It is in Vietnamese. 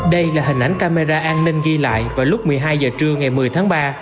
đây là hình ảnh camera an ninh ghi lại vào lúc một mươi hai h trưa ngày một mươi tháng ba